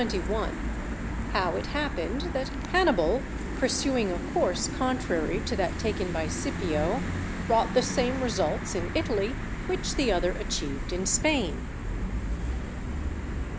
—_How it happened that Hannibal pursuing a course contrary to that taken by Scipio, wrought the same results in Italy which the other achieved in Spain.